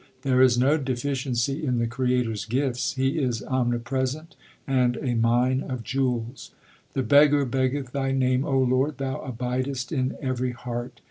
There is no deficiency in the Creator s gifts ; He is omni present, and a mine of jewels. The beggar beggeth Thy name, O Lord ; Thou abidest in every heart.